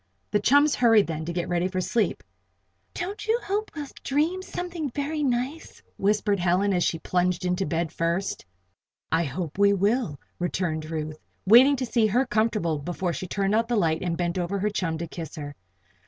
The chums hurried, then, to get ready for sleep. "Don't you hope we'll dream something very nice?" whispered Helen as she plunged into bed first. "I hope we will," returned Ruth, waiting to see her comfortable before she turned out the light and bent over her chum to kiss her.